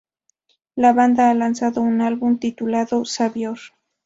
La banda ha lanzado un álbum titulado Savior.